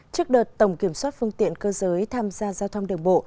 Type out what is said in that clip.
trước đợt tổng kiểm soát phương tiện cơ giới tham gia giao thông đường bộ